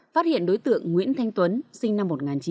phát hiện đối tượng nguyễn thanh tuấn sinh năm một nghìn chín trăm tám mươi